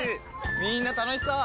みんな楽しそう！